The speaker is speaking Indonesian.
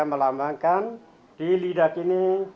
melambangkan di lidah ini